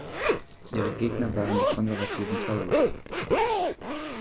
Ihre Gegner waren die konservativen Tories.